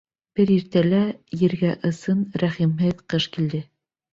Бер иртәлә ергә ысын, рәхимһеҙ ҡыш килде.